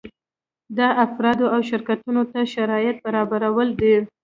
دا افرادو او شرکتونو ته شرایط برابرول دي.